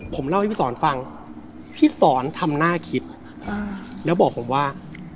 ผมเล่าให้พี่สอนฟังพี่สอนทำหน้าคิดแล้วบอกผมว่า